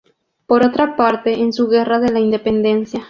Por otra parte, en su "Guerra de la Independencia.